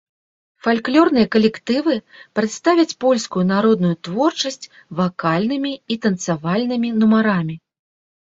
Фальклорныя калектывы прадставяць польскую народную творчасць вакальнымі і танцавальнымі нумарамі.